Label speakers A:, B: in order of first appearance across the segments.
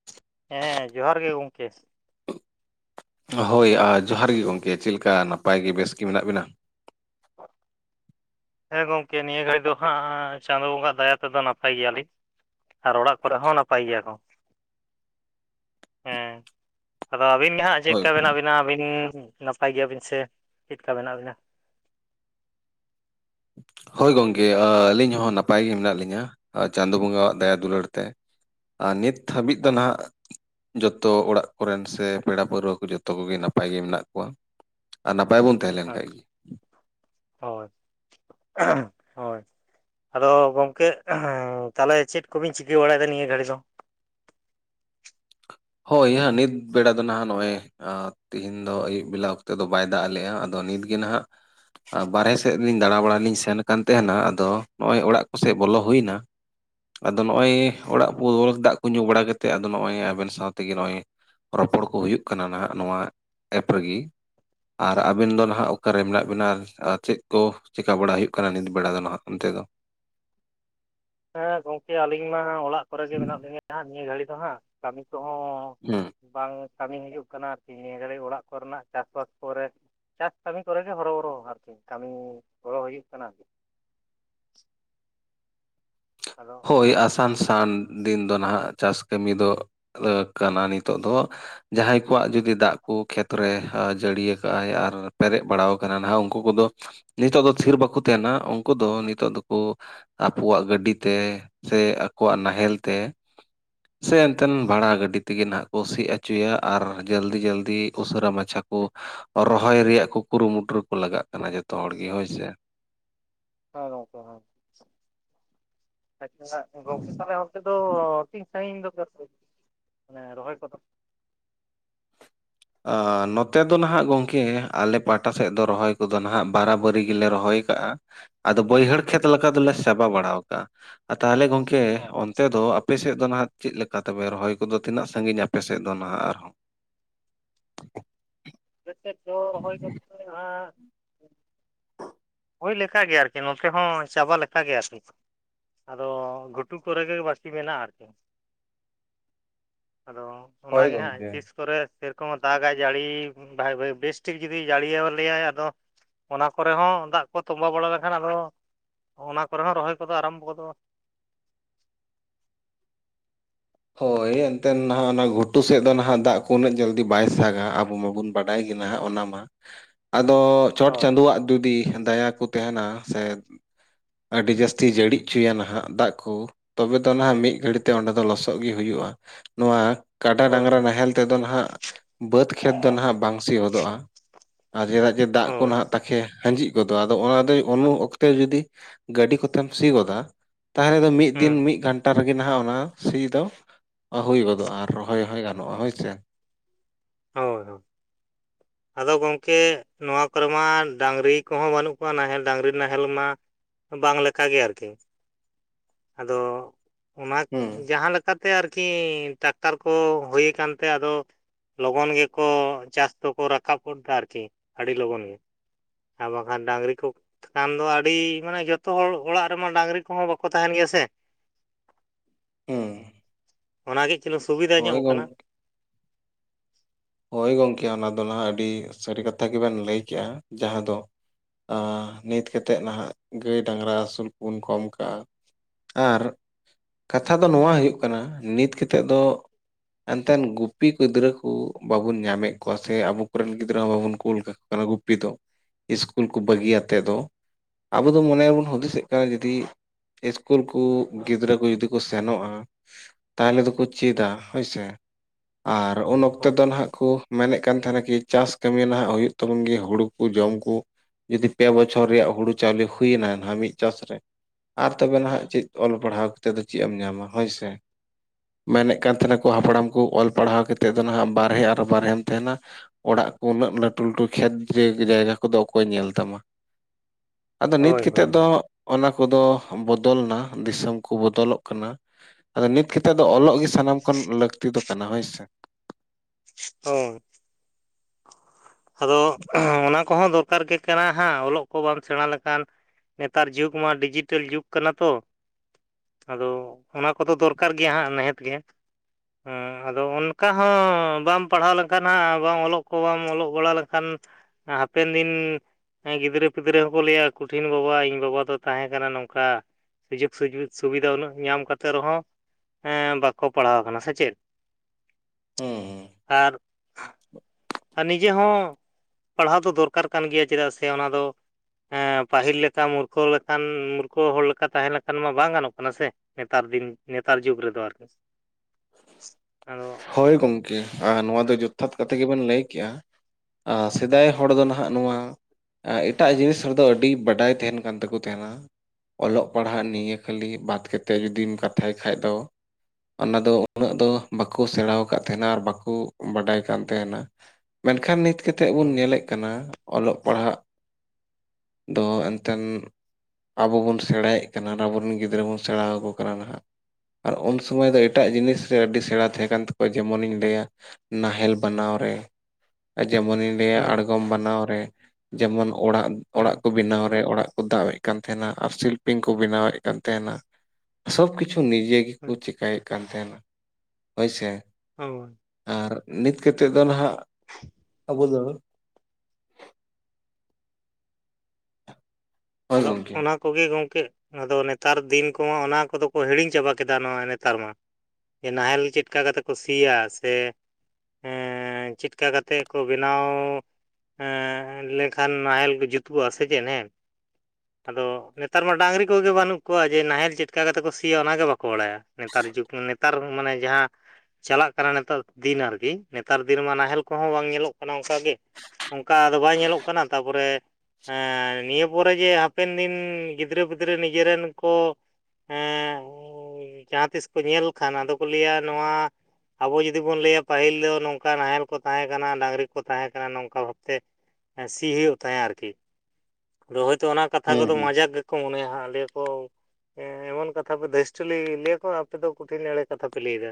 A: [unintelligible]
B: ᱦᱮᱸ ᱡᱚᱦᱟᱨ ᱜᱮ ᱜᱚᱝᱠᱮ ᱾
A: ᱦᱳᱭ ᱡᱚᱦᱟᱨ ᱜᱮ ᱜᱚᱝᱠᱮ, ᱪᱮᱫ ᱞᱮᱠᱟ ᱱᱟᱯᱟᱭ ᱜᱮ ᱵᱮᱥ ᱜᱮ ᱢᱮᱱᱟᱜ ᱵᱤᱱᱟ?
B: ᱦᱮᱸ ᱜᱚᱝᱠᱮ ᱱᱤᱭᱟᱹ ᱜᱷᱟᱹᱲᱤ ᱫᱚ ᱦᱟᱸᱜ ᱪᱟᱸᱫᱳ ᱵᱚᱸᱜᱟᱣᱟᱜ ᱫᱟᱭᱟ ᱛᱮᱫᱚ ᱱᱟᱯᱟᱭ ᱜᱮᱭᱟᱞᱤᱧ ᱾ ᱟᱨ ᱚᱲᱟᱜ ᱠᱚᱨᱮ ᱦᱚᱸ ᱱᱟᱯᱟᱭ ᱜᱮᱭᱟ ᱠᱚ ᱦᱮᱸ ᱾ ᱟᱫᱚ ᱟᱹᱵᱤᱱ ᱜᱮ ᱦᱟᱸᱜ ᱪᱮᱫ
A: ᱦᱳᱭ
B: ᱠᱟ ᱢᱮᱱᱟᱜ ᱵᱤᱱᱟ ᱟᱹᱵᱤᱱ ᱱᱟᱯᱟᱭ ᱜᱮᱭᱟᱵᱤᱱ ᱥᱮ ᱪᱮᱫ ᱞᱮᱠᱟ ᱢᱮᱱᱟᱜ ᱵᱤᱱᱟ?
A: ᱦᱳᱭ ᱜᱚᱝᱠᱮ ᱟᱹᱞᱤᱧ ᱦᱚᱸ ᱱᱟᱯᱟᱭ ᱜᱮ ᱢᱮᱱᱟᱜ ᱞᱤᱧᱟᱹ ᱪᱟᱸᱫᱚ ᱵᱚᱸᱜᱟᱣᱟᱜ ᱫᱟᱭᱟ ᱫᱩᱞᱟᱹᱲ ᱛᱮ ᱾ ᱱᱤᱛ ᱦᱟᱹᱵᱤᱡ ᱫᱚ
B: ᱦᱚᱸ
A: ᱱᱟᱦᱟᱜ ᱡᱚᱛᱚ ᱚᱲᱟᱜ ᱠᱚᱨᱮᱱ ᱥᱮ ᱯᱮᱲᱟ ᱯᱟᱹᱲᱣᱟᱹ ᱠᱚ ᱡᱚᱛᱚ ᱠᱚᱜᱮ ᱱᱟᱯᱟᱭ ᱜᱮ ᱢᱮᱱᱟᱜ ᱠᱚᱣᱟ ᱟᱨ ᱱᱟᱯᱟᱭ ᱵᱚᱱ ᱛᱟᱦᱮᱸ ᱞᱮᱱ ᱠᱷᱟᱡ ᱜᱮ
B: ᱟᱪᱪᱷᱟ ᱦᱳᱭ ᱦᱳᱭ ᱾ ᱟᱫᱚ ᱜᱚᱝᱠᱮ ᱛᱟᱦᱞᱮ ᱪᱮᱫ ᱠᱚᱵᱤᱱ ᱪᱤᱠᱟᱹ ᱵᱟᱲᱟᱭᱮᱫᱟ ᱱᱤᱭᱟᱹ ᱜᱷᱟᱹᱲᱤ ᱫᱚ?
A: ᱦᱳᱭ ᱱᱤᱛ ᱵᱮᱲᱟ ᱫᱚ ᱱᱟᱦᱟᱜ ᱱᱚᱜᱚᱭ ᱛᱮᱦᱤᱧ ᱫᱚ ᱟᱹᱭᱩᱵ ᱵᱮᱞᱟ ᱚᱠᱛᱚ ᱫᱚ ᱵᱟᱭ ᱫᱟᱜ ᱟ ᱞᱮᱜ-ᱟ ᱟᱫᱚ ᱱᱤᱛᱜᱮ ᱱᱟᱦᱟᱜ ᱵᱟᱨᱦᱮ ᱥᱮᱫ ᱞᱤᱧ ᱫᱟᱬᱟ ᱵᱟᱲᱟ ᱞᱤᱧ ᱥᱮᱱ ᱠᱟᱱ ᱛᱟᱦᱮᱱᱟ ᱟᱫᱚ ᱱᱚᱜ ᱚᱭ ᱚᱲᱟᱜ ᱠᱚᱥᱮᱫ ᱵᱚᱞᱚ ᱦᱩᱭᱱᱟ ᱾ ᱟᱫᱚ ᱱᱚᱜ-ᱚᱭ ᱚᱲᱟᱜ ᱯᱩᱨᱟᱹ ᱫᱟᱜ ᱠᱚ ᱧᱩ ᱵᱟᱲᱟ ᱠᱟᱛᱮᱫ ᱟᱫᱚ ᱱᱚᱜ-ᱚᱭ ᱟᱵᱮᱱ ᱥᱟᱶᱛᱮ ᱛᱮᱜᱮ ᱱᱚᱜᱚᱭ ᱨᱚᱯᱚᱲ ᱠᱚ ᱦᱩᱭᱩᱜ ᱠᱟᱱᱟ ᱱᱟᱦᱟᱜ ᱱᱚᱣᱟ ᱮᱯᱥ ᱨᱮᱜᱤ ᱾ ᱟᱨ ᱟᱵᱮᱱ ᱫᱚ ᱱᱟᱦᱟᱜ ᱚᱠᱟ ᱨᱮ ᱢᱮᱱᱟᱜ ᱵᱤᱱᱟ ᱪᱮᱫ ᱠᱚ ᱪᱤᱠᱟ ᱵᱟᱲᱟ ᱦᱩᱭᱩᱜ ᱠᱟᱱᱟ ᱱᱤᱛ ᱵᱮᱲᱟ ᱫᱚ ᱱᱟᱦᱟᱜ ᱚᱱᱛᱮ ᱫᱚ?
B: ᱦᱮᱸ ᱜᱚᱝᱠᱮ ᱟᱹᱞᱤᱧ ᱢᱟ ᱚᱲᱟᱜ ᱠᱚᱨᱮ ᱜᱮ ᱢᱮᱱᱟᱜ ᱞᱤᱧᱟᱹ ᱦᱟᱜ ᱱᱤᱭᱟᱹ ᱜᱷᱟᱹᱲᱤ ᱫᱚ ᱦᱟᱸᱜ ᱠᱟᱹᱢᱤ ᱠᱚᱦᱚᱸ
A: ᱦᱩᱸ ᱾
B: ᱵᱟᱝ ᱠᱟᱹᱢᱤ ᱦᱩᱭᱩᱜ ᱠᱟᱱᱟ ᱟᱨᱠᱤ ᱱᱤᱭᱟᱹ ᱜᱷᱟᱹᱲᱤ ᱚᱲᱟᱜ ᱠᱚᱨᱮᱱᱟᱜ ᱪᱟᱥᱵᱟᱥ ᱠᱚᱨᱮ ᱪᱟᱥ ᱠᱟᱹᱢᱤ ᱠᱚᱨᱮ ᱜᱮ ᱦᱚᱨᱚ-ᱵᱚᱨᱚ ᱟᱨᱠᱤ ᱠᱟᱹᱢᱤ ᱜᱚᱲᱚ ᱦᱩᱭᱩᱜ ᱠᱟᱱᱟ ᱾ ᱟᱫᱚ
A: ᱦᱳᱭ ᱟᱥᱟᱬᱥᱟᱱ ᱫᱤᱱ ᱫᱚ ᱱᱟᱦᱟᱜ ᱪᱟᱥ ᱠᱟᱹᱢᱤ ᱫᱚ ᱠᱟᱱᱟ ᱱᱤᱛᱚᱜ ᱫᱚ ᱡᱟᱦᱟᱸᱭ ᱠᱚᱣᱟᱜ ᱡᱚᱫᱤ ᱫᱟᱜ ᱠᱚ ᱠᱷᱮᱛᱨᱮ ᱡᱟᱹᱲᱤᱭᱟ ᱟᱠᱟᱜᱟᱭ ᱟᱨ ᱯᱮᱨᱮᱡ ᱵᱟᱲᱟᱣᱟ ᱠᱟᱱᱟ ᱱᱟᱦᱟᱜ ᱩᱱᱠᱩ ᱠᱚᱫᱚ ᱱᱤᱛᱚᱜ ᱫᱚ ᱛᱷᱤᱨ ᱵᱟᱠᱚ ᱛᱟᱦᱮᱱᱟ ᱩᱱᱠᱩ ᱫᱚ ᱱᱤᱛᱚᱜ ᱫᱚᱠᱚ ᱟᱠᱚᱣᱟᱜ ᱜᱟᱹᱰᱤ ᱛᱮ ᱥᱮ ᱟᱠᱚᱣᱟᱜ ᱱᱟᱦᱮᱞ ᱛᱮ ᱥᱮ ᱮᱱᱛᱮᱱ ᱵᱷᱟᱲᱟ ᱜᱟᱹᱰᱤ ᱛᱮᱜᱮ ᱱᱟᱦᱟᱜ ᱠᱚ ᱥᱤ ᱚᱪᱚᱭᱟ ᱟᱨ ᱡᱟᱞᱫᱤ ᱡᱟᱞᱫᱤ ᱩᱥᱟᱹᱨᱟ ᱢᱟᱪᱷᱟ ᱠᱚ ᱨᱚᱦᱚᱭ ᱨᱮᱭᱟᱜ ᱠᱚ ᱠᱩᱨᱩᱢᱩᱴᱩ ᱠᱚ ᱞᱟᱜᱟᱜ ᱠᱟᱱᱟ ᱡᱚᱛᱷᱚ ᱦᱚᱲ ᱜᱮ ᱦᱳᱭ ᱥᱮ ᱾
B: ᱦᱮᱸ ᱜᱚᱝᱠᱮ ᱦᱮᱸ ᱟᱪᱪᱷᱟ ᱜᱚᱝᱠᱮ ᱛᱟᱦᱞᱮ ᱚᱱᱛᱮ ᱫᱚ ᱥᱟᱹᱜᱤᱧ ᱫᱟᱯᱮ ᱟᱨᱠᱤ ᱢᱟᱱᱮ ᱨᱚᱦᱚᱭ ᱠᱚᱫᱚ
A: ᱱᱚᱛᱮ ᱫᱚ ᱱᱟᱦᱟᱜ ᱜᱚᱝᱠᱮ ᱟᱞᱮ ᱯᱟᱦᱴᱟ ᱥᱮᱫ ᱫᱚ ᱨᱚᱦᱚᱭ ᱠᱚᱫᱚ ᱱᱟᱦᱟᱜ ᱵᱟᱨᱟᱵᱟᱹᱨᱤ ᱜᱮᱞᱮ ᱨᱚᱦᱚᱭ ᱠᱟᱜ-ᱟ ᱾ ᱟᱫᱚ ᱵᱟᱹᱭᱦᱟᱹᱲ ᱠᱷᱮᱛ ᱞᱮᱠᱟ ᱫᱚᱞᱮ ᱪᱟᱵᱟ ᱵᱟᱲᱟ ᱟᱠᱟᱟᱜᱼᱟ ᱛᱟᱦᱞᱮ ᱜᱚᱝᱠᱮ
B: ᱟᱞᱮ
A: ᱚᱱᱛᱮ ᱫᱚ? ᱟᱯᱮᱥᱮᱫ ᱫᱚ ᱱᱟᱦᱟᱜ ᱪᱮᱫ ᱞᱮᱠᱟ ᱛᱮᱯᱮ ᱨᱚᱦᱚᱭ ᱠᱚᱫᱚ ᱛᱤᱱᱟᱹᱜ ᱥᱟᱺᱜᱤᱧ ᱟᱯᱮᱥᱮᱫ ᱫᱚ ᱱᱟᱦᱟᱜ ᱟᱨᱦᱚᱸ?
B: ᱟᱞᱮ ᱥᱮᱫ ᱫᱚ ᱨᱚᱦᱚᱭ ᱠᱚᱫᱚ ᱦᱟᱜ ᱦᱩᱭ ᱞᱮᱠᱟᱜᱮ ᱟᱨᱠᱤ ᱱᱚᱛᱮ ᱦᱚᱸ ᱪᱟᱵᱟ ᱞᱮ ᱞᱮᱠᱟ ᱜᱮ ᱟᱨᱠᱤ ᱟᱫᱚ ᱜᱷᱩᱴᱩ ᱠᱚᱨᱮ ᱜᱮ ᱵᱟᱠᱤ ᱢᱮᱱᱟᱜᱼᱟ ᱟᱨᱠᱤ ᱟᱫᱚ
A: ᱦᱳᱭ
B: ᱚᱱᱟᱜᱮ ᱦᱟᱸᱜ
A: ᱜᱚᱝᱠᱮ
B: ᱛᱤᱥ ᱠᱚᱨᱮ ᱥᱮᱨᱚᱠᱚᱢ ᱫᱟᱜᱟᱭ। ᱡᱟᱹᱲᱤ ᱵᱷᱟ ᱵᱮᱥᱴᱷᱤᱠ ᱡᱩᱫᱤ ᱡᱟᱲᱤᱣᱟ ᱞᱮᱟᱭ ᱟᱫᱚ ᱼᱼ ᱚᱱᱟ ᱠᱚᱨᱮ ᱦᱚᱸ ᱫᱟᱜ ᱠᱚ ᱛᱚᱸᱵᱟ ᱵᱟᱲᱟ ᱞᱮᱠᱷᱟᱱ, ᱟᱫᱚ ᱚᱱᱟ ᱠᱚᱨᱮ ᱦᱚᱸ ᱨᱚᱦᱚᱭ ᱠᱚᱫᱚ ᱟᱨᱟᱢᱵᱚ ᱜᱚᱫᱚᱜᱼᱟ।
A: ᱦᱳᱭ ᱮᱱᱛᱮᱫ ᱱᱟᱦᱟᱜ ᱚᱱᱟ ᱜᱷᱩᱴᱩ ᱥᱮᱫ ᱫᱚ ᱱᱟᱦᱟᱜ ᱫᱟᱜ ᱠᱚ ᱩᱱᱟᱹᱜ ᱡᱚᱞᱫᱤ ᱵᱟᱭ ᱥᱟᱜᱟ, ᱟᱵᱚ ᱢᱟᱵᱚᱱ ᱼᱼ ᱵᱟᱰᱟᱭ ᱜᱮ ᱱᱟᱦᱟᱜ ᱚᱱᱟ ᱢᱟ। ᱟᱫᱚ ᱪᱚᱴ
B: ᱦᱳᱭ
A: ᱪᱟᱸᱫᱳᱣᱟᱜ ᱡᱩᱫᱤ ᱫᱟᱭᱟ ᱠᱚ ᱼᱼ ᱛᱟᱦᱮᱱᱟ ᱥᱮ ᱼᱼ ᱟᱹᱰᱤ ᱡᱟᱹᱟᱥᱛᱤ ᱡᱟᱹᱲᱤᱪᱚᱭᱟ ᱱᱟᱦᱟᱜ ᱫᱟᱜ ᱠᱚ, ᱛᱚᱵᱮ ᱫᱚ ᱱᱦᱟᱜ ᱢᱤᱫ ᱜᱷᱟᱹᱲᱤᱡ ᱛᱮ ᱚᱸ ᱫᱚ ᱞᱚᱥᱚᱫ ᱼᱼ ᱚᱜ ᱜᱮ ᱦᱩᱭᱩᱜᱼᱟ। ᱱᱚᱣᱟ ᱠᱟᱰᱟ
B: ᱦᱳᱭ
A: ᱰᱟᱝᱨᱟ ᱱᱟᱦᱮᱞ ᱼᱼ ᱛᱮᱫᱚ ᱱᱟᱦᱟᱜ ᱵᱟᱹᱫᱽ ᱠᱷᱮᱛ ᱫᱚ ᱱᱟᱦᱟᱜ ᱵᱟᱝ ᱥᱤ ᱦᱚᱫᱚᱜᱼᱟ। ᱟᱨ ᱪᱮᱫᱟᱜ ᱡᱮ ᱫᱟᱜ ᱠᱚ
B: ᱦᱳᱭ
A: ᱱᱟᱦᱟᱜ ᱛᱟᱠᱷᱮ ᱟᱸᱡᱮᱫ ᱜᱚᱫᱚᱜᱼᱟ। ᱟᱫᱚ ᱚᱱᱟ ᱫᱚ ᱩᱱ ᱚᱠᱛᱮ ᱡᱚᱫᱤ ᱜᱟᱹᱰᱤ ᱠᱚᱛᱮᱢ ᱥᱤ ᱜᱚᱫᱟ, ᱛᱟᱦᱚᱞᱮ ᱫᱚ ᱢᱤᱫ
B: ᱦᱩᱸ
A: ᱫᱤᱱ ᱢᱤᱫ ᱜᱷᱚᱱᱴᱟ ᱨᱮᱜᱮ ᱱᱟᱦᱟᱜ ᱚᱱᱟ ᱥᱤ ᱼᱼ ᱫᱚ ᱦᱩᱭ ᱜᱚᱫᱚᱜᱼᱟ। ᱟᱨ ᱨᱚᱦᱚᱭ ᱦᱚᱭ ᱜᱟᱱᱚᱜᱼᱟ ᱦᱳᱭ ᱥᱮ।
B: ᱦᱳᱭ ᱦᱳᱭ ᱟᱫᱚ ᱜᱚᱢᱠᱮ ᱱᱚᱣᱟ ᱠᱚᱨᱮ ᱢᱟ ᱰᱟᱝᱨᱤ ᱠᱚᱦᱚᱸ ᱵᱟᱹᱱᱩᱜ ᱠᱚᱣᱟ। ᱱᱟᱦᱮᱞ ᱰᱟᱝᱨᱤ ᱱᱟᱦᱮᱞ ᱢᱟ ᱼᱼ ᱵᱟᱝ ᱞᱮᱠᱟᱜᱮ ᱟᱨᱠᱤ। ᱟᱫᱚ ᱼᱼ ᱚᱱᱟ
A: ᱦᱩᱸ
B: ᱡᱟᱦᱟᱸ ᱞᱮᱠᱟᱛᱮ ᱟᱨᱠᱤ ᱴᱨᱟᱠᱴᱟᱨ ᱠᱚ ᱦᱩᱭ ᱟᱠᱟᱱᱛᱮ ᱟᱫᱚ ᱼᱼ ᱞᱚᱜᱚᱱ ᱜᱮᱠᱚ ᱪᱟᱥ ᱫᱚᱠᱚ ᱨᱟᱠᱟᱵ ᱜᱚᱫ ᱠᱟᱜᱼᱟ ᱟᱨᱠᱤ। ᱟᱹᱰᱤ ᱞᱚᱜᱚᱱ ᱜᱮ। ᱟᱨ ᱵᱟᱝᱠᱷᱟᱱ ᱰᱟᱝᱨᱤ ᱠᱚ ᱼᱼ ᱠᱷᱟᱱ ᱫᱚ ᱟᱹᱰᱤ ᱢᱟᱱᱮ ᱡᱚᱛᱚ ᱦᱚᱲ ᱚᱲᱟᱜ ᱨᱮᱢᱟ ᱰᱟᱝᱨᱤ ᱠᱚᱦᱚᱸ ᱵᱟᱠᱚ ᱛᱟᱦᱮᱱ ᱜᱮᱭᱟ ᱥᱮ? [inaudible]
A: ᱦᱮᱸ
B: ᱚᱱᱟᱜᱮ ᱪᱤᱞᱮ ᱥᱩᱵᱤᱫᱷᱟ ᱧᱚᱜ ᱠᱟᱱᱟ।
A: ᱦᱳᱭ ᱜᱚᱝᱠᱮ ᱚᱱᱟ ᱫᱚ ᱱᱟᱦᱟᱜ ᱟᱹᱰᱤ ᱥᱟᱹᱨᱤ ᱠᱟᱛᱷᱟ ᱜᱮᱵᱮᱱ ᱞᱟᱹᱭ ᱠᱮᱜᱼᱟ। ᱡᱟᱦᱟᱸ ᱫᱚ ᱼᱼ ᱟᱻ ᱱᱤᱛ ᱠᱟᱛᱮᱫ ᱱᱟᱦᱟᱜ ᱜᱟᱹᱭ ᱰᱟᱝᱨᱟ ᱟᱹᱥᱩᱞ ᱠᱚᱵᱚᱱ ᱠᱚᱢ ᱠᱟᱜᱼᱟ। ᱟᱨ, ᱠᱟᱛᱷᱟ ᱫᱚ ᱱᱚᱣᱟ ᱦᱩᱭᱩᱜ ᱠᱟᱱᱟ, ᱱᱤᱛ ᱠᱟᱛᱮᱫ ᱫᱚ ᱼᱼ ᱮᱱᱛᱮᱱ ᱜᱩᱯᱤ ᱜᱤᱫᱽᱨᱟᱹ ᱠᱚ ᱼᱼ ᱵᱟᱵᱚᱱ ᱧᱟᱢᱮᱫ ᱠᱚᱣᱟ ᱥᱮ ᱟᱵᱚ ᱠᱚᱨᱮᱱ ᱜᱤᱫᱽᱨᱟᱹ ᱦᱚᱸ ᱵᱟᱵᱚᱱ ᱠᱩᱞ ᱠᱟᱠᱚ ᱠᱟᱱᱟ ᱜᱩᱯᱤ ᱫᱚ। ᱤᱥᱠᱩᱞ ᱠᱚ ᱵᱟᱹᱜᱤᱭᱟᱛᱮ ᱫᱚ, ᱟᱵᱚ ᱫᱚ ᱢᱚᱱᱮ ᱨᱮᱵᱚᱱ ᱦᱩᱫᱤᱥᱮᱜ ᱠᱟᱱᱟ, ᱡᱩᱫᱤ ᱼᱼ ᱤᱥᱠᱩᱞ ᱠᱚ, ᱜᱤᱫᱽᱨᱟᱹ ᱠᱚ ᱡᱩᱫᱤ ᱠᱚ ᱥᱮᱱᱚᱜᱼᱟ, ᱛᱟᱦᱟᱞᱮ ᱫᱚᱠᱚ ᱪᱮᱫᱟ। ᱦᱳᱭᱥᱮ? ᱟᱨ ᱩᱱ ᱚᱠᱛᱮ
B: ᱦᱳᱭ
A: ᱫᱚ ᱱᱟᱦᱟᱜ ᱠᱚ ᱼᱼ ᱢᱮᱱᱮᱫ ᱠᱟᱱ ᱛᱟᱦᱮᱱᱟ ᱠᱤ ᱪᱟᱥ ᱠᱟᱹᱢᱤ ᱱᱟᱦᱟᱜ ᱦᱩᱭᱩᱜ ᱛᱟᱵᱚᱱ ᱜᱮ। ᱦᱩᱲᱩ ᱠᱚ, ᱡᱚᱢ ᱠᱚ, ᱡᱩᱫᱤ ᱯᱮ ᱵᱚᱪᱷᱚᱨ ᱨᱮᱭᱟᱜ ᱦᱩᱲᱩ ᱪᱟᱣᱞᱮ ᱦᱩᱭᱱᱟ ᱱᱦᱟᱜ ᱢᱤᱫ ᱪᱟᱥ ᱨᱮ। ᱟᱨ ᱛᱚᱵᱮ ᱱᱟᱦᱟᱜ ᱪᱮᱫ ᱚᱞ ᱯᱟᱲᱦᱟᱣ ᱼᱼ ᱛᱮᱫᱚ ᱪᱮᱫ ᱮᱢ ᱧᱟᱢᱟ ᱦᱳᱭᱥᱮ? ᱢᱮᱱᱮᱫ ᱠᱟᱱ ᱛᱟᱦᱮᱱᱟᱠᱚ ᱦᱟᱯᱲᱟᱢ ᱠᱚ, ᱚᱞ ᱯᱟᱲᱦᱟᱣ ᱠᱟ ᱠᱟᱛᱮᱫ ᱫᱚ ᱱᱟᱦᱟᱜ ᱼᱼ ᱵᱟᱨᱦᱮ ᱟᱨ ᱵᱟᱨᱦᱮᱢ ᱛᱟᱦᱮᱱᱟ। ᱚᱲᱟᱜ ᱠᱚ, ᱩᱱᱟᱹᱜ ᱞᱟᱹᱴᱩ ᱞᱟᱹᱴᱩ ᱠᱷᱮᱛ ᱡᱮᱜ [unintelligible] ᱡᱟᱭᱜᱟ ᱠᱚᱫᱚ ᱚᱠᱚᱭ ᱧᱮᱞ ᱛᱟᱢᱟ? ᱟᱫᱚ ᱱᱤᱛ
B: ᱦᱳᱭ ᱦᱳᱭ
A: ᱠᱷᱮᱛᱮᱫ ᱫᱚ ᱼᱼ ᱚᱱᱟ ᱠᱚᱫᱚ ᱵᱚᱫᱚᱞᱱᱟ᱾ ᱫᱤᱥᱚᱢ ᱠᱚ ᱵᱚᱫᱚᱞᱚᱜ ᱠᱟᱱᱟ। ᱟᱫᱚ ᱱᱤᱛ ᱠᱷᱮ ᱛᱮᱜ ᱫᱚ ᱚᱞᱚᱜ ᱜᱮ ᱥᱟᱱᱟᱢ ᱠᱷᱚᱱ ᱞᱟᱹᱠᱛᱤ ᱫᱚ ᱠᱟᱱᱟ ᱦᱳᱭ ᱥᱮ।
B: ᱦᱳᱸᱼᱼ ᱟᱫᱚ ᱚᱱᱟ ᱠᱚᱦᱚᱸ ᱫᱚᱨᱠᱟᱨ ᱜᱮ ᱠᱟᱱᱟ ᱦᱟᱸᱜ। ᱚᱞᱚᱜ ᱠᱚ ᱵᱟᱢ ᱥᱮᱬᱟ ᱞᱮᱠᱷᱟᱱᱼᱼ ᱱᱮᱛᱟᱨ ᱡᱩᱜᱽ ᱢᱟ ᱰᱤᱡᱤᱴᱮᱞ ᱡᱩᱜᱽ ᱠᱟᱱᱟ ᱛᱚ। ᱟᱫᱚ ᱚᱱᱟ ᱠᱚᱫᱚ ᱫᱚᱨᱠᱟᱨ ᱜᱮᱭᱟ ᱦᱟᱸᱜ ᱱᱤᱦᱟᱹᱛ ᱜᱮ। ᱦᱮᱸ ᱟᱫᱚ ᱚᱱᱠᱟ ᱦᱚᱸ ᱵᱟᱢ ᱯᱟᱲᱦᱟᱣ ᱞᱮᱱᱠᱷᱟᱱ ᱦᱟᱸᱜ, ᱵᱟᱝ ᱚᱞᱚᱜ ᱠᱚ ᱵᱟᱢ ᱚᱞᱚᱜᱼᱼ ᱜᱚᱲᱟ ᱞᱮᱱᱠᱷᱟᱱ ᱦᱟᱯᱮᱱ ᱫᱤᱱ ᱼᱼ ᱦᱮᱸ ᱜᱤᱫᱽᱨᱟᱹ ᱯᱤᱫᱽᱨᱟᱹ ᱦᱚᱸᱠᱚ ᱞᱟᱹᱭᱟ ᱠᱩᱴᱷᱤᱱ ᱵᱟᱵᱟ ᱤᱧ ᱵᱟᱵᱟ ᱫᱚ ᱛᱟᱦᱮᱸ ᱠᱟᱱᱟ ᱱᱚᱝᱠᱟ। ᱥᱩᱡᱳᱜᱽ ᱥᱩᱡᱽ। ᱥᱩᱵᱤᱫᱷᱟ ᱩᱱᱟᱹᱜ ᱧᱟᱢ ᱠᱟᱛᱮ ᱨᱮᱦᱚᱸᱼᱼ ᱦᱮᱸ ᱵᱟᱠᱚ ᱯᱟᱲᱦᱟᱣ ᱠᱟᱱᱟ। ᱥᱮ ᱪᱮᱫ?
A: ᱦᱩᱸ ᱦᱩᱸ
B: ᱟᱨᱼᱼ ᱟᱨ ᱱᱤᱡᱮ ᱦᱚᱸ, ᱯᱟᱲᱦᱟᱣ ᱫᱚ ᱫᱚᱨᱠᱟᱨ ᱠᱟᱱ ᱜᱮᱭᱟ। ᱪᱮᱫᱟᱜ ᱥᱮ ᱚᱱᱟ ᱫᱚᱼᱼ ᱦᱮᱸ ᱯᱟᱹᱦᱤᱞ ᱞᱮᱠᱟ ᱢᱩᱨᱠᱷᱟᱹ ᱞᱮᱠᱟᱱ ᱢᱩᱨᱠᱷᱟᱹ ᱦᱚᱲ ᱞᱮᱠᱟ ᱛᱟᱦᱮᱸ ᱞᱮᱠᱟᱱ ᱢᱟ ᱵᱟᱝ ᱜᱟᱱᱚᱜ ᱠᱟᱱᱟ ᱥᱮ ᱱᱮᱛᱟᱨ ᱫᱤᱱ ᱱᱮᱛᱟᱨ ᱡᱩᱜᱽ ᱨᱮᱫᱚ ᱟᱨᱠᱤ ᱟᱫᱚ
A: ᱦᱳᱭ ᱜᱚᱝᱠᱮ ᱱᱚᱣᱟ ᱫᱚ ᱡᱚᱛᱷᱟᱛ ᱠᱟᱛᱮ ᱜᱮᱵᱮᱱ ᱞᱟᱹᱭ ᱠᱮᱜᱼᱟ᱾ ᱟᱜ ᱥᱮᱫᱟᱭ ᱦᱚᱲ ᱫᱚ
B: ᱦᱮᱸ
A: ᱱᱟᱦᱟᱜ ᱱᱚᱣᱟ ᱮᱴᱟᱜ ᱡᱤᱱᱤᱥ ᱨᱮᱫᱚ ᱟᱹᱰᱤ ᱵᱟᱰᱟᱭ ᱛᱟᱦᱮᱱ ᱠᱟᱱ ᱛᱟᱠᱚ ᱛᱟᱦᱮᱱᱟ᱾ ᱚᱞᱚᱜ ᱯᱟᱲᱦᱟᱜ ᱱᱤᱭᱟᱹ ᱠᱷᱟᱹᱞᱤ ᱵᱟᱛ ᱠᱟᱛᱮ ᱡᱩᱫᱤᱢ ᱠᱟᱛᱷᱟᱭ ᱠᱷᱟᱱᱡ ᱫᱚ ᱚᱱᱟ ᱫᱚ ᱩᱱᱟᱹᱜ ᱫᱚ ᱵᱟᱠᱚ ᱵᱟᱠᱚ ᱥᱮᱬᱟ ᱟᱠᱟᱫ ᱛᱟᱦᱮᱱᱟ ᱟᱨ ᱵᱟᱠᱚ ᱵᱟᱰᱟᱭ ᱠᱟᱱ ᱛᱟᱦᱮᱱᱟ ᱢᱮᱱᱠᱷᱟᱱ ᱱᱤᱛᱚᱜ ᱠᱟᱛᱮᱫ ᱵᱚᱱ ᱧᱮᱞᱮᱫ ᱠᱟᱱᱟ ᱚᱞᱚᱜ ᱯᱟᱲᱦᱟᱜ ᱫᱚ ᱮᱱᱛᱮᱱ ᱟᱵᱚ ᱵᱚᱱ ᱥᱮᱬᱟᱭᱮᱫ ᱠᱟᱱᱟ ᱟᱵᱚᱨ ᱨᱮᱱ ᱜᱤᱫᱽᱨᱟᱹ ᱵᱚᱱ ᱥᱮᱬᱟ ᱠᱚ ᱠᱟᱱᱟ ᱱᱟᱦᱟᱜ ᱟᱨ ᱩᱱ ᱥᱩᱢᱟᱹᱭ ᱫᱚ ᱮᱴᱟᱜ ᱡᱤᱱᱤᱥ ᱨᱮ ᱟᱹᱰᱤ ᱥᱮᱬᱟᱸ ᱫᱷᱮ ᱭᱟᱱ ᱛᱟᱠᱚ ᱡᱮᱢᱚᱱᱤᱧ ᱞᱟᱹᱭᱟ ᱱᱟᱦᱮᱞ ᱵᱮᱟᱱᱟᱣ ᱨᱮ ᱡᱮᱢᱚᱱᱤᱧ ᱨᱮᱭᱟᱜ
B: ᱦᱮᱸ
A: ᱟᱲᱜᱚᱢ ᱵᱮᱟᱱᱟᱣ ᱨᱮ ᱡᱮᱢᱚᱱ ᱚᱲᱟᱜ ᱚᱲᱟᱜ
B: ᱦᱮᱸ
A: ᱠᱚ ᱵᱮᱱᱟᱣ ᱨᱮ ᱚᱲᱟᱜ ᱠᱚ ᱫᱟᱵᱮᱫ ᱠᱟᱱ ᱛᱟᱦᱮᱱᱟ ᱟᱨ ᱥᱤᱞᱯᱤᱧ ᱠᱚ ᱵᱮᱱᱟᱣᱮᱫ ᱠᱟᱱ ᱛᱟᱦᱮᱱᱟ ᱥᱚᱵ ᱠᱤᱪᱷᱩ ᱱᱤᱡᱮ ᱜᱮᱠᱚ
B: ᱦᱮᱸ
A: ᱪᱮᱠᱟᱹᱭᱮᱫ ᱠᱟᱱ ᱛᱟᱦᱮ ᱱᱟ᱾ ᱦᱳᱭ ᱥᱮ
B: ᱦᱚᱭ
A: ᱟᱨ ᱱᱤᱛ ᱠᱟᱛᱮᱫ ᱫᱚ ᱱᱟᱦᱟᱜ ᱠᱚᱞ ᱫᱟᱵᱮᱱ᱾ ᱦᱳᱭ
B: ᱟᱫᱚ
A: ᱜᱚᱢᱠᱮ
B: ᱚᱱᱟ ᱠᱚ ᱜᱮ ᱜᱚᱝᱠᱮ ᱟᱫᱚ ᱱᱮᱛᱟᱨ ᱫᱤᱱ ᱠᱚᱢᱟ ᱚᱱᱟ ᱠᱚᱫᱚ ᱠᱚ ᱦᱤᱲᱤᱧ ᱪᱟᱵᱟ ᱠᱮᱫᱟ ᱱᱚᱣᱟ ᱱᱮᱛᱟᱨ ᱢᱟ᱾ ᱡᱮ ᱱᱟᱦᱮᱞ ᱪᱮᱫ ᱞᱮᱠᱟ ᱠᱟᱛᱮ ᱠᱚ ᱥᱤᱭᱟ ᱥᱮ ᱚᱻ ᱪᱮᱫᱠᱟ ᱠᱟᱛᱮᱫ ᱠᱚ ᱵᱮᱱᱟᱣ ᱮᱜ ᱞᱮᱠᱷᱟᱱ ᱱᱟᱦᱮᱞ ᱠᱚ ᱡᱩᱛᱩᱜᱼᱟ ᱥᱮ ᱪᱮᱫ ᱦᱮᱸ᱾ ᱟᱫᱚ ᱱᱮᱛᱟᱨ ᱢᱟ ᱰᱟᱹᱝᱨᱤ ᱠᱚᱜᱮ ᱵᱟᱹᱱᱩᱜ ᱠᱚᱣᱟ ᱡᱮ ᱱᱟᱦᱮᱞ ᱪᱮᱫ ᱞᱮᱠᱟ ᱠᱟᱛᱮᱫ ᱠᱚ ᱥᱤᱭᱟ ᱚᱱᱟ ᱜᱮ ᱵᱟᱠᱚ ᱵᱟᱲᱟᱭᱟ᱾ ᱱᱮᱛᱟᱨ ᱡᱩᱜᱽ ᱱᱮᱛᱟᱨ ᱢᱟᱱᱮ ᱡᱟᱦᱟᱸ ᱪᱟᱞᱟᱜ ᱠᱟᱱᱟ ᱱᱮᱛᱟᱨ ᱫᱤᱱ ᱟᱨᱠᱤ ᱱᱮᱛᱟᱨ ᱫᱤᱱ ᱢᱟ ᱱᱟᱦᱮᱞ ᱠᱚᱦᱚᱸ ᱵᱟᱝ ᱧᱮᱞᱚᱜ ᱠᱟᱱᱟ ᱚᱱᱠᱟᱜ ᱜᱮᱼᱼ ᱚᱱᱠᱟᱫᱚ ᱵᱟᱭ ᱧᱮᱞᱚᱜ ᱠᱟᱱᱟ ᱛᱟᱯᱚᱨᱮ ᱮᱸ ᱱᱤᱭᱟᱹᱼᱼ ᱯᱚᱨᱮ ᱜᱮ ᱦᱟᱯᱮᱱ ᱫᱤᱱ ᱜᱤᱫᱽᱨᱟᱹ ᱯᱤᱫᱽᱨᱟᱹ ᱱᱤᱡᱮᱨᱮᱱ ᱠᱚ ᱦᱮᱸᱼᱼ ᱡᱟᱦᱟᱸ ᱛᱤᱥ ᱠᱚ ᱧᱮᱞ ᱠᱷᱟᱱ ᱟᱫᱚ ᱠᱚ ᱞᱟᱹᱭᱟ ᱱᱚᱣᱟᱼᱼ ᱟᱵᱚ ᱡᱩᱫᱤ ᱵᱚᱱ ᱞᱟᱹᱭᱟ ᱯᱟᱹᱦᱤᱞ ᱫᱚ ᱱᱚᱝᱼᱠᱟ ᱱᱟᱦᱮᱞ ᱠᱚ ᱛᱟᱦᱮᱸ ᱠᱟᱱᱟ ᱰᱟᱝᱨᱤ ᱠᱚ ᱛᱟᱦᱮᱸ ᱠᱟᱱᱟ ᱱᱚᱝᱠᱟ ᱵᱷᱟᱵ ᱛᱮ ᱥᱤ ᱦᱩᱭᱩᱜ ᱛᱟᱦᱮᱜ ᱟᱨᱠᱤ ᱟᱫᱚ ᱦᱳᱭᱛᱳ ᱚᱱᱟ ᱠᱟᱛᱷᱟ
A: ᱦᱩᱸ
B: ᱠᱚᱫᱚ
A: ᱦᱩᱸ
B: ᱢᱟᱡᱟᱠ ᱜᱮᱠᱚ ᱢᱚᱱᱮᱭᱟ ᱦᱟᱸᱜ ᱞᱟᱹᱭ ᱟᱠᱚᱼᱼ ᱮᱸ ᱮᱢᱚᱱ ᱠᱟᱛᱷᱟ ᱯᱮ ᱫᱷᱮᱥᱴᱚᱞᱤ ᱞᱟᱹᱭᱟᱠᱚ ᱟᱯᱮ ᱫᱚ ᱠᱚᱴᱷᱤ ᱮᱲᱮ ᱠᱟᱛᱷᱟ ᱯᱮ ᱞᱟᱹᱭ ᱮᱫᱟ᱾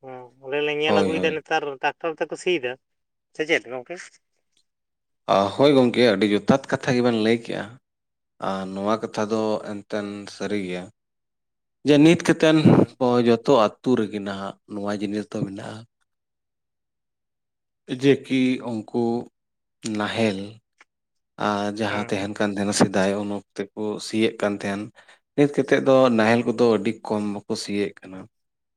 B: ᱚ ᱚᱸᱰᱮ ᱞᱮ ᱧᱮᱞ
A: ᱦᱳᱭ
B: ᱟᱹᱜᱩᱭᱮᱫᱟ
A: ᱦᱳᱭ
B: ᱱᱮᱛᱟᱨ ᱴᱟᱠᱴᱟᱨ ᱛᱮᱠᱚ ᱥᱤᱭᱮᱫᱟ ᱥᱮ ᱪᱮᱫ ᱜᱚᱝᱠᱮ?
A: ᱟ ᱦᱳᱭ ᱜᱚᱝᱠᱮ ᱟᱹᱰᱤ ᱡᱚᱛᱷᱟᱛ ᱠᱟᱛᱷᱟ ᱜᱮᱵᱮᱱ ᱞᱟᱹᱭ ᱠᱮᱜᱼᱟ᱾ ᱟᱨ ᱱᱚᱣᱟ ᱠᱟᱛᱷᱟ ᱫᱚ ᱮᱱᱛᱮᱱ ᱥᱟᱹᱨᱤ ᱜᱮᱭᱟ ᱡᱮ ᱱᱤᱛ ᱠᱷᱟᱹᱛ ᱛᱮᱱ
B: ᱦᱩᱸ
A: ᱦᱚ ᱡᱚᱛᱚ ᱟᱹᱛᱩ ᱨᱮᱜᱮ ᱱᱟᱦᱟᱜ ᱱᱚᱣᱟ ᱡᱤᱱᱤᱥ ᱫᱚ ᱢᱮᱱᱟᱜᱼᱟ᱾ ᱡᱮ ᱠᱤ ᱩᱱᱠᱩ ᱱᱟᱦᱮᱞ ᱟᱨ ᱡᱟᱦᱟᱸ
B: ᱦᱩᱸ
A: ᱛᱟᱦᱮᱱ ᱠᱟᱱ ᱛᱟᱦᱮᱱᱟ ᱥᱮᱫᱟᱭ ᱩᱱ ᱚᱠᱛᱮ ᱠᱚ ᱥᱤᱭᱮᱫ ᱠᱟᱱ ᱛᱟᱦᱮᱱ ᱱᱤᱛ ᱠᱟᱛᱮᱫ ᱫᱚ ᱱᱟᱦᱮᱞ ᱠᱚᱫᱚ ᱟᱹᱰᱤ ᱠᱚᱢ ᱵᱟᱠᱚ ᱥᱤᱭᱮᱫ ᱠᱟᱱᱟ᱾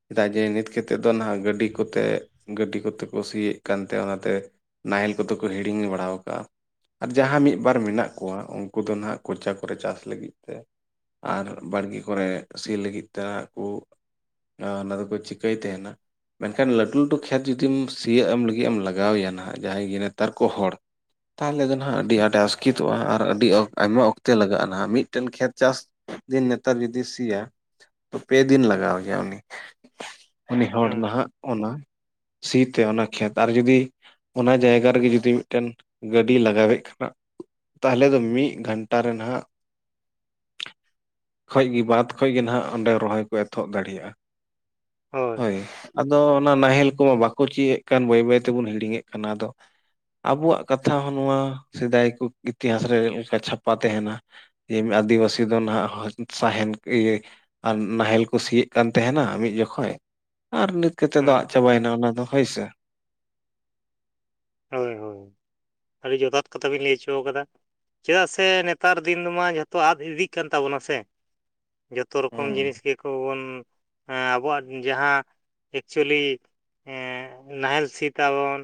A: ᱪᱮᱫᱟᱜ ᱡᱮ ᱱᱤᱛ ᱠᱟᱛᱮᱫ ᱫᱚ ᱱᱟᱦᱟᱜ ᱜᱟᱹᱰᱤ ᱠᱚᱛᱮ ᱜᱟᱹᱰᱤ ᱠᱚᱛᱮ ᱠᱩᱥᱤᱭᱮᱫ ᱠᱟᱱᱛᱮ ᱚᱱᱟᱛᱮ ᱱᱟᱦᱮᱞ ᱠᱚᱫᱚ ᱠᱚ ᱦᱤᱲᱤᱧ ᱵᱟᱲᱟ ᱣᱟᱠᱟᱜ-ᱟ᱾ ᱟᱨ ᱡᱟᱦᱟᱸ ᱢᱤᱫ ᱵᱟᱨ ᱢᱮᱱᱟᱜ ᱠᱚᱣᱟ ᱩᱱᱠᱩ ᱫᱚ ᱱᱟᱦᱟᱜ ᱠᱚᱪᱟ ᱠᱚᱨᱮ ᱪᱟᱥ ᱞᱟᱹᱜᱤᱫ ᱛᱮ ᱟᱨ ᱵᱟᱲᱜᱮ ᱠᱚᱨᱮ ᱥᱤ ᱞᱟᱹᱜᱤᱫ ᱛᱮ ᱩᱜ ᱟᱨ ᱚᱱᱟ ᱫᱚ ᱠᱚ ᱪᱤᱠᱟᱹᱭ ᱛᱟᱦᱮᱱᱟ? ᱢᱮᱱᱠᱷᱟᱱ ᱞᱟᱹᱴᱩ ᱞᱟᱹᱴᱩ ᱠᱷᱮᱛ ᱡᱩᱫᱤᱢ ᱥᱤᱭᱳᱜ ᱮᱢ ᱞᱟᱹᱜᱤᱫ ᱮᱢ ᱞᱟᱜᱟᱣ ᱮᱭᱟ ᱱᱟᱦᱟᱜ ᱡᱟᱦᱟᱸᱭ ᱜᱮ ᱱᱮᱛᱟᱨ ᱠᱚ ᱦᱚᱲ ᱛᱟᱦᱚᱞᱮ ᱫᱚᱞᱮ ᱦᱟᱸᱜ ᱟᱹᱰᱤ ᱟᱸᱴᱮ ᱟᱥᱠᱤᱛᱚᱜᱼᱟ ᱟᱨ ᱟᱹᱰᱤ ᱟᱭᱢᱟ ᱚᱠᱛᱮ ᱞᱟᱜᱟᱜᱼᱟ ᱱᱟ ᱢᱤᱫᱴᱮᱱ ᱠᱷᱮᱛ ᱪᱟᱥ ᱫᱤᱱ ᱱᱮᱛᱟᱨ ᱡᱩᱫᱤ ᱥᱤᱭᱟ ᱯᱮ ᱫᱤᱱ ᱞᱟᱜᱟᱣᱟᱭᱟ ᱩᱱᱤ᱾ ᱩᱱᱤ ᱦᱚᱲ
B: ᱦᱩᱸ
A: ᱱᱟᱦᱟᱜ ᱚᱱᱟ ᱥᱤ ᱛᱮ ᱚᱱᱟ ᱠᱷᱮᱛ ᱟᱨ ᱡᱩᱫᱤ ᱚᱱᱟ ᱡᱟᱭᱜᱟ ᱨᱮᱜᱮ ᱡᱩᱫᱤ ᱢᱤᱫᱴᱮᱱ ᱜᱟᱹᱰᱤ ᱞᱟᱜᱟᱣᱮᱫ [unintelligible] ᱛᱟᱦᱚᱞᱮ ᱫᱚ ᱢᱤᱫ ᱜᱷᱟᱱᱴᱟ ᱨᱮ ᱱᱟᱦᱟᱜ ᱠᱷᱚᱡ ᱜᱮ ᱵᱟᱛ ᱠᱷᱚᱡ ᱜᱮ ᱱᱟᱦᱟᱜ ᱚᱸᱰᱮ ᱨᱚᱦᱚᱭ ᱠᱚ ᱮᱛᱚᱦᱚᱵ ᱫᱟᱲᱮᱭᱟᱜᱼᱟ᱾ ᱦᱳᱭ ᱟᱫᱚ ᱚᱱᱟ ᱱᱟᱦᱮᱞ ᱟᱠᱚᱢᱟ ᱵᱟᱠᱚ ᱪᱤᱭᱟᱹ ᱮᱫ ᱠᱟᱱ ᱵᱟᱹᱭ ᱵᱟᱹᱭ ᱛᱮᱵᱚᱱ ᱦᱤᱲᱤᱧᱮᱫ ᱠᱟᱱᱟ ᱟᱫᱚ ᱟᱵᱚᱣᱟᱜ ᱠᱟᱛᱷᱟ ᱦᱚᱸ ᱱᱚᱣᱟ ᱥᱮᱫᱟᱭ ᱠᱚ ᱤᱛᱤᱦᱟᱥ ᱨᱮ ᱞᱮᱠᱟ ᱪᱷᱟᱯᱟ ᱛᱟᱦᱮᱱᱟ᱾ ᱡᱮ ᱟᱹᱫᱤᱵᱟᱹᱥᱤ ᱫᱚ ᱱᱟᱦᱟᱜ ᱥᱟᱦᱮᱱ ᱠᱮ ᱤᱭᱟᱹ ᱟᱨ ᱱᱟᱦᱮᱞ ᱠᱚ ᱥᱤᱭᱮᱫ ᱠᱟᱱ ᱛᱟᱸᱦᱮᱱᱟ ᱢᱤᱫ ᱡᱚᱠᱷᱮᱡ ᱟᱨ ᱱᱤᱛ ᱪᱤᱠᱟ. ᱛᱮᱫᱚ
B: ᱦᱩᱸ
A: ᱟᱫ ᱪᱟᱵᱟᱭᱮᱱᱟ ᱚᱱᱟ ᱫᱚ ᱦᱳᱭ ᱥᱮ᱾
B: ᱦᱳᱭ ᱦᱳᱭ ᱟᱹᱰᱤ ᱡᱚᱛᱷᱟᱛ ᱠᱟᱛᱷᱟ ᱵᱤᱱ ᱞᱟᱹᱭ ᱦᱚᱪᱚ ᱠᱟᱫᱟ᱾ ᱪᱮᱫᱟᱜ ᱥᱮ ᱱᱮᱛᱟᱨ ᱫᱤᱱ ᱫᱚᱢᱟ ᱡᱷᱚᱛᱚ ᱟᱫ ᱤᱫᱤᱜ ᱠᱟᱱ ᱛᱟᱵᱚᱱᱟ ᱥᱮ᱾ ᱡᱚᱛᱚ ᱨᱚᱠᱚᱢ
A: ᱦᱩᱸ
B: ᱡᱤᱱᱤᱥ ᱜᱮᱠᱚ ᱵᱚᱱ ᱮᱸ ᱟᱵᱚᱣᱟᱜ ᱡᱟᱦᱟᱸ ᱮᱠᱪᱩᱭᱮᱞᱤ ᱮᱸ ᱱᱟᱦᱮᱞ ᱥᱤ ᱛᱟᱵᱚᱱ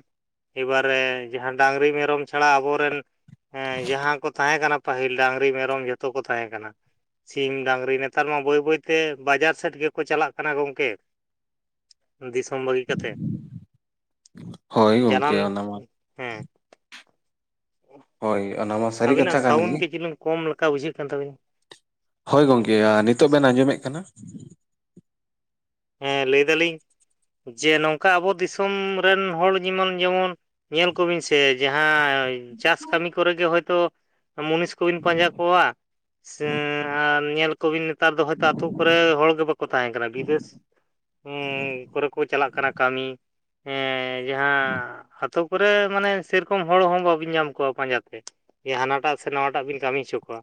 B: ᱮᱵᱟᱨᱮ ᱡᱟᱦᱟᱸ ᱰᱟᱝᱨᱤ ᱢᱮᱨᱚᱢ ᱪᱷᱟᱲᱟ ᱟᱵᱚᱨᱮᱱ ᱦᱮᱸ ᱡᱟᱦᱟᱸ ᱠᱚ ᱛᱟᱦᱮᱸ ᱠᱟᱱᱟ ᱯᱟᱹᱦᱤᱞ ᱰᱟᱹᱝᱨᱤ ᱢᱮᱨᱚᱢ ᱡᱷᱚᱛᱚ ᱠᱚ ᱛᱟᱦᱮᱸ ᱠᱟᱱᱟ᱾ ᱥᱤᱢ ᱰᱟᱹᱝᱨᱤ ᱱᱮᱛᱟᱨ ᱢᱟ ᱵᱟᱹᱭ ᱵᱟᱹᱭᱛᱮ ᱵᱟᱡᱟᱨ ᱥᱮᱫ ᱜᱮᱠᱚ ᱪᱟᱞᱟᱜ ᱠᱟᱱᱟ ᱜᱚᱢᱠᱮ᱾ ᱫᱤᱥᱚᱢ ᱵᱟᱹᱜᱤ ᱠᱟᱛᱮ᱾
A: ᱦᱳᱭ ᱜᱚᱝᱠᱮ
B: ᱡᱟᱱᱟᱢ
A: ᱚᱱᱟ ᱢᱟ
B: ᱦᱮᱸ [unintelligible]
A: ᱦᱳᱭ ᱟᱱᱟ ᱢᱟ ᱥᱟᱹᱨᱤ
B: ᱟᱹᱵᱤᱱᱟᱜ
A: ᱠᱟᱛᱷᱟ ᱠᱟᱱ
B: ᱥᱟᱣᱩᱱᱰ
A: ᱜᱮ
B: ᱜᱤ ᱡᱤᱞᱟᱹᱝ ᱠᱚᱢ ᱞᱮᱠᱟ ᱵᱩᱡᱷᱟᱹᱜ ᱠᱟᱱ ᱛᱟᱹᱵᱤᱱᱟ᱾
A: ᱦᱳᱭ ᱜᱚᱝᱠᱮ ᱭᱟ ᱱᱤᱛᱚᱜ ᱵᱮᱱ ᱟᱸᱡᱚᱢᱮᱫ ᱠᱟᱱᱟ?
B: ᱦᱮᱸ ᱞᱟᱹᱭ ᱫᱟᱹᱞᱤᱧ ᱡᱮ ᱱᱚᱝᱠᱟ ᱟᱵᱚ ᱫᱤᱥᱚᱢ ᱨᱮᱱ ᱦᱚᱲ ᱡᱮᱢᱚᱱ ᱡᱮᱢᱚᱱ ᱧᱮᱞ ᱠᱚᱵᱤᱱ ᱥᱮ ᱡᱟᱦᱟᱸᱭ ᱪᱟᱥ ᱠᱟᱹᱢᱤ ᱠᱚᱨᱮ ᱜᱮ ᱦᱳᱭᱛᱳ᱾ ᱢᱩᱱᱤᱥ ᱠᱚᱵᱤᱱ ᱯᱟᱸᱡᱟ ᱠᱚᱣᱟ᱾ ᱥᱮ ᱟᱨ ᱧᱮᱞ ᱠᱚᱵᱤᱱ ᱱᱮᱛᱟᱨ ᱫᱚ ᱦᱚᱭᱛᱳ ᱟᱛᱩ ᱠᱚᱨᱮ ᱦᱚᱲ ᱜᱮ ᱵᱟᱠᱚ ᱛᱟᱦᱮᱸᱱ ᱠᱟᱱᱟ ᱵᱤᱫᱮᱥ [unintelligible] ᱩᱸ ᱠᱚᱨᱮ ᱠᱚ ᱪᱟᱞᱟᱜ ᱠᱟᱱᱟ ᱠᱟᱹᱢᱤ ᱮᱸ ᱡᱟᱦᱟᱸ ᱟᱛ ᱟᱹᱛᱩ ᱠᱚᱨᱮ ᱢᱟᱱᱮ ᱥᱮᱨᱚᱠᱚᱢ ᱦᱚᱲ ᱦᱚᱸ ᱵᱟᱵᱤᱱ ᱧᱟᱢ ᱠᱚᱣᱟ ᱯᱟᱸᱡᱟ ᱛᱮ᱾ ᱡᱮ ᱦᱟᱱᱟᱴᱟᱜ ᱥᱮ ᱱᱷᱟᱣᱟᱴᱟᱜ ᱵᱤᱱ ᱠᱟᱹᱢᱤ ᱦᱚᱪᱚ ᱠᱚᱣᱟ᱾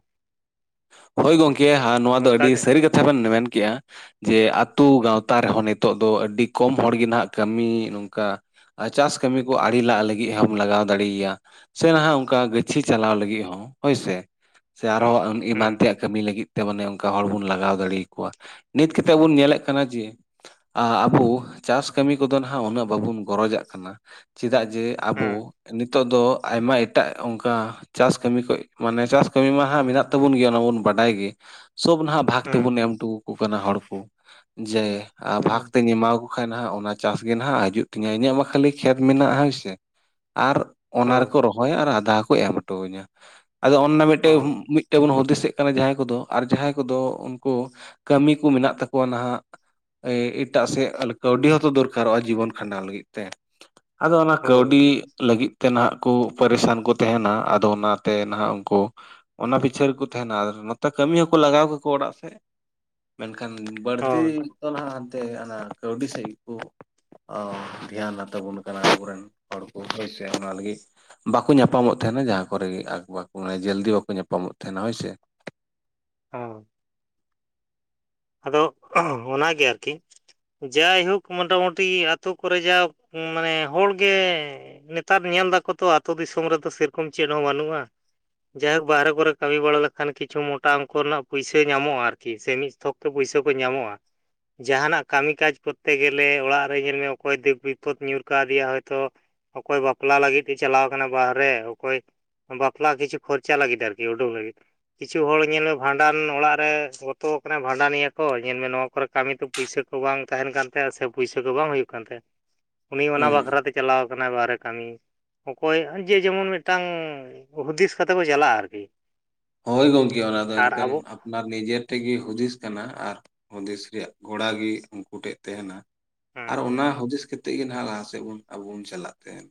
A: ᱦᱳᱭ ᱜᱚᱢᱠᱮ ᱟᱨ ᱱᱚᱣᱟ ᱫᱚ ᱟᱹᱰᱤ
B: ᱚᱱᱠᱟᱜᱮ
A: ᱥᱟᱹᱨᱤ ᱠᱟᱛᱷᱟ ᱵᱮᱱ ᱢᱮᱱ ᱠᱮᱜᱼᱟ ᱡᱮ ᱟᱛᱼᱼ ᱟᱹᱛᱩ
B: ᱦᱮᱸ
A: ᱜᱟᱶᱛᱟ ᱨᱮᱦᱚᱸ ᱱᱤᱛᱚᱜ ᱫᱚ ᱟᱹᱰᱤ ᱠᱚᱢ ᱦᱚᱲ ᱜᱮ ᱱᱟᱜᱷ ᱠᱟᱹᱢᱤ ᱱᱚᱝᱠᱟᱼᱼ ᱪᱟᱥ ᱠᱟᱹᱢᱤ ᱠᱚ ᱟᱲᱮ ᱞᱟᱜ ᱞᱟᱹᱜᱤᱫ ᱦᱚᱸᱢ ᱞᱟᱜᱟᱣ ᱫᱟᱲᱮ ᱭᱟᱭᱟ᱾ ᱥᱮ ᱱᱟᱦᱟᱜ ᱚᱱᱠᱟ ᱜᱟᱹᱪᱷᱤ ᱪᱟᱞᱟᱣ ᱞᱟᱹᱜᱤᱫ ᱦᱚᱸ ᱦᱳᱭ ᱥᱮ ᱥᱮ
B: ᱦᱮᱸ
A: ᱟᱨᱦᱚᱸ ᱮᱢᱟᱱ
B: ᱦᱮᱸ
A: ᱛᱮᱭᱟᱜ ᱠᱟᱹᱢᱤ ᱞᱟᱹᱜᱤᱫ ᱛᱮ ᱢᱟᱱᱮ ᱚᱱᱠᱟ ᱦᱚᱲ ᱵᱚᱱ ᱞᱟᱜᱟᱣ ᱫᱟᱲᱮ ᱟᱠᱚᱣᱟ ᱱᱤᱛ ᱠᱟᱛᱮᱜ ᱵᱚᱱ ᱧᱮᱞᱮᱛ ᱠᱟᱱᱟ ᱡᱮ ᱟᱵᱚ ᱪᱟᱥ ᱠᱟᱹᱢᱤ ᱠᱚᱫᱚ ᱱᱟᱜᱷ ᱩᱱᱟᱹᱜ ᱵᱟᱵᱚᱱ ᱜᱚᱨᱚ ᱡᱟᱜ ᱠᱟᱱᱟ᱾ ᱪᱮᱫᱟᱜ ᱡᱮ
B: ᱦᱮᱸ
A: ᱟᱵᱚ᱾ ᱱᱤᱛᱚᱜ ᱫᱚ ᱟᱭᱢᱟ ᱮᱴᱟᱜ ᱚᱱᱠᱟ ᱪᱟᱥ ᱠᱟᱹᱢᱤ ᱠᱚ ᱢᱟᱱᱮ ᱪᱟᱥ ᱠᱟᱹᱢᱤ ᱢᱟ ᱦᱟᱸᱜ ᱢᱮᱱᱟᱜᱼᱼ ᱛᱟᱵᱚᱱ ᱜᱮᱭᱟ ᱚᱱᱟ ᱢᱟᱵᱚᱱ ᱵᱟᱰᱟᱭ ᱜᱮ ᱥᱚᱵᱽ ᱱᱟᱜᱷ ᱵᱷᱟᱜ ᱛᱮᱵᱩᱱ
B: ᱦᱮᱸ
A: ᱮᱢᱴᱩ ᱟᱠ ᱠᱟᱱᱟ ᱦᱚᱲ ᱠᱚ ᱡᱮ ᱵᱷᱟᱜᱽ
B: ᱦᱳᱭ
A: ᱛᱮᱧ ᱮᱢᱟ ᱵᱟ ᱠᱷᱟᱱ ᱚᱱᱟ ᱪᱟᱥ ᱜᱮ ᱱᱟᱜᱷ ᱦᱤᱡᱩᱜ ᱛᱤᱧᱟᱹ ᱤᱧᱟᱹᱜ ᱢᱟ ᱠᱷᱟᱹᱞᱤ ᱠᱷᱮᱛ ᱢᱮᱱᱟᱜᱼᱟ ᱦᱳᱭᱥᱮ ᱟᱨ ᱚᱱᱟ ᱨᱮᱠᱚ ᱨᱚᱦᱚᱭᱟ ᱟᱨ ᱟᱫᱷᱟ ᱠᱚ ᱮᱢ ᱦᱚᱴᱚᱣ ᱟᱹᱧᱟ ᱟᱫᱚ ᱚᱱᱱᱟ ᱢᱤᱫ ᱴᱮᱱ
B: ᱦᱳᱭ
A: ᱢᱤᱫ ᱵᱚᱱ ᱦᱩᱫᱤᱥ ᱮᱜ ᱠᱟᱱᱟ ᱡᱟᱦᱟᱸᱭ ᱠᱚᱫᱚ ᱟᱨ ᱡᱟᱦᱟᱸᱭ ᱠᱚᱫᱚ ᱩᱱᱠᱩ ᱠᱟᱹᱢᱤ ᱠᱚ ᱢᱮᱱᱟᱜ ᱛᱟᱠᱚᱣᱟ ᱦᱟᱸᱜ᱾ ᱮ ᱮᱴᱟᱜ ᱥᱮᱫ ᱠᱟᱹᱣᱰᱤ ᱦᱚᱸᱛᱚ ᱫᱚᱨᱠᱟᱨᱚᱜᱼᱟ ᱡᱤᱵᱚᱱ ᱠᱷᱟᱸᱰᱟᱣ ᱞᱟᱹᱜᱤᱫ ᱛᱮ᱾ ᱟᱫᱚ ᱚᱱᱟ ᱠᱟᱹᱣᱰᱤ
B: ᱦᱳᱭ
A: ᱞᱟᱹᱜᱤᱫ ᱛᱮ ᱱᱟᱦᱟᱜ ᱠᱚ ᱯᱟᱨᱤᱥᱟᱱ ᱠᱚ ᱛᱟᱸᱦᱮᱱᱟ ᱟᱫᱚ ᱚᱱᱟᱛᱮ ᱱᱟᱦᱟᱜ ᱩᱱᱠᱩ ᱚᱱᱟᱵᱤᱪ [unintelligible] ᱨᱮᱠᱚ ᱛᱟᱸᱦᱮᱱᱟ ᱟᱨ ᱱᱚᱛᱮ ᱠᱟᱹᱢᱤ ᱦᱚᱸᱠᱚ ᱞᱟᱜᱟᱣ ᱠᱟᱠᱚᱣᱟ ᱚᱲᱟᱜ ᱥᱮᱫ ᱢᱮᱱᱠᱷᱟᱱ ᱵᱟᱹᱲᱛᱤᱼᱼ
B: ᱦᱳᱭ
A: ᱛᱚ ᱱᱟᱜᱷ ᱦᱟᱱᱛᱮ ᱚᱱᱟ ᱠᱟᱹᱣᱰᱤ ᱥᱮᱫ ᱜᱮᱠᱚ ᱚ ᱫᱷᱮᱭᱟᱱᱟ ᱛᱟᱵᱚᱱ ᱠᱟᱱᱟ ᱟᱵᱚᱨᱮᱱ ᱦᱚᱲ ᱠᱚ ᱦᱳᱭᱥᱮ ᱚᱱᱟ ᱞᱟᱹᱜᱤᱫ ᱵᱟᱠᱚ ᱧᱟᱯᱟ ᱢᱚᱜ ᱛᱟᱸᱦᱮᱱᱟ ᱡᱟᱦᱟᱸ ᱠᱚᱨᱮ ᱜᱮ ᱟᱠ ᱵᱟᱠ ᱢᱟᱱᱮ ᱡᱚᱞᱫᱤ ᱵᱟᱠᱚ ᱧᱟᱯᱟᱢᱚᱜ ᱛᱟᱸᱦᱮᱱᱟ ᱦᱳᱭᱥᱮ᱾
B: ᱦᱚᱸ ᱟᱫᱚ ᱚᱱᱟ ᱜᱮ ᱟᱨᱠᱤ᱾ ᱡᱟᱭ ᱦᱳᱠ ᱢᱚᱴᱟ ᱢᱩᱴᱤ ᱟᱛᱳ ᱠᱚᱨᱮ ᱡᱟ ᱢᱟᱱᱮ ᱦᱚᱲ ᱜᱮᱼᱼ ᱱᱮᱛᱟᱨ ᱧᱮᱞ ᱫᱟᱠᱚ ᱛᱚ ᱟᱛᱳ ᱫᱤᱥᱚᱢ ᱨᱮᱫᱚ ᱥᱮᱨᱚᱠᱚᱢ ᱪᱮᱫ ᱦᱚᱸ ᱵᱟᱹᱱᱩᱜᱼᱟ᱾ ᱡᱟᱭᱦᱳᱠ ᱵᱟᱦᱨᱮ ᱠᱚᱨᱮ ᱠᱟᱹᱢᱤ ᱵᱟᱲᱟ ᱞᱮᱠᱷᱟᱱ ᱠᱤᱪᱷᱩ ᱢᱚᱴᱟ ᱚᱝᱠᱚ ᱨᱮᱱᱟᱜ ᱯᱩᱭᱥᱟᱹ ᱧᱟᱢᱚᱜᱼᱟ ᱟᱨᱠᱤ ᱥᱮ ᱢᱤᱫ ᱛᱷᱚᱠᱼᱼ ᱛᱚ ᱯᱩᱭᱥᱟᱹ ᱠᱚ ᱧᱟᱢᱚᱜᱼᱟ᱾ ᱡᱟᱦᱟᱱᱟᱜ ᱠᱟᱹᱢᱤ ᱠᱟᱡᱽ ᱠᱚᱨᱛᱮ ᱜᱮᱞᱮ ᱚᱲᱟᱜ ᱨᱮ ᱧᱮᱞ ᱢᱮ ᱚᱠᱚᱭ ᱫᱩᱠ ᱵᱤᱯᱚᱫ ᱧᱩᱨ ᱠᱟᱣᱫᱮᱭᱟ ᱦᱚᱭ ᱛᱚ ᱚᱠᱚᱭ ᱵᱟᱯᱞᱟ ᱞᱟᱹᱜᱤᱫ ᱛᱮ ᱪᱟᱞᱟᱣ ᱟᱠᱟᱱᱟ ᱵᱟᱦᱨᱮ ᱚᱠᱚᱭᱼᱼ ᱵᱟᱯᱞᱟ ᱠᱤᱪᱷᱩ ᱠᱷᱚᱨᱪᱟ ᱞᱟᱹᱜᱤᱫ ᱟᱨᱠᱤ ᱩᱰᱩᱠ ᱞᱟᱹᱜᱤᱫᱼᱼ ᱠᱤᱪᱷᱩ ᱦᱚᱲ ᱧᱮᱞ ᱢᱮ ᱵᱷᱟᱸᱰᱟᱱ ᱚᱲᱟᱜ ᱨᱮ ᱜᱚᱛᱚ ᱠᱟᱱᱟᱭᱼᱼ ᱵᱷᱟᱸᱰᱟᱱ ᱮᱭᱟᱹ ᱠᱚ ᱧᱮᱞ ᱢᱮ ᱱᱚᱣᱟ ᱠᱚᱨᱮ ᱠᱟᱹᱢᱤ ᱛᱚ ᱯᱩᱭᱥᱟ ᱠᱚ ᱵᱟᱝ ᱛᱟᱦᱮᱱ ᱠᱟᱱ ᱛᱟᱭᱟ ᱥᱮ ᱯᱩᱭᱥᱟᱹ ᱠᱚ ᱵᱟᱝ ᱦᱩᱭᱩᱜ ᱠᱟᱱ ᱛᱟᱭᱟ᱾ ᱩᱱᱤ ᱚᱱᱟ
A: ᱦᱩᱸ
B: ᱵᱟᱠᱷᱨᱟ ᱛᱮ ᱪᱟᱞᱟᱣ ᱠᱟᱱᱟᱭ ᱵᱟᱦᱨᱮ ᱠᱟᱹᱢᱤ᱾ ᱚᱠᱚᱭ ᱡᱮ ᱡᱮᱢᱚᱱ ᱢᱤᱫᱴᱟᱝ ᱦᱩᱫᱤᱥ ᱠᱟᱛᱮ ᱠᱚ ᱪᱟᱞᱟᱜᱼᱟ ᱟᱨᱠᱤ᱾
A: ᱦᱳᱭ ᱜᱚᱝᱠᱮ ᱚᱱᱟᱫᱚ
B: ᱟᱨ
A: ᱮᱱᱛᱮᱫᱼᱼ
B: ᱟᱵᱚ
A: ᱚᱱᱟ ᱱᱤᱡᱮ ᱴᱷᱮᱡ ᱜᱮ ᱦᱩᱫᱤᱥ ᱠᱟᱱᱟ ᱟᱨ ᱦᱩᱫᱤᱥ ᱨᱮᱭᱟᱜ ᱜᱚᱲᱟ ᱜᱮ ᱩᱱᱠᱩ ᱴᱷᱮᱱ ᱛᱟᱦᱮᱱᱟ᱾
B: ᱦᱮᱸ
A: ᱟᱨ ᱚᱱᱟ ᱦᱩᱫᱤᱥ ᱠᱟ ᱠᱟᱛᱮᱫ ᱜᱮ ᱱᱟᱦᱟᱜ ᱞᱟᱦᱟ ᱥᱮᱫ ᱵᱚᱱ ᱟᱵᱚ ᱵᱚᱱ ᱪᱟᱞᱟᱜ ᱛᱟᱦᱮᱸᱫ